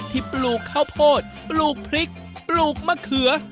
ปลูกข้าวโพดปลูกพริกปลูกมะเขือ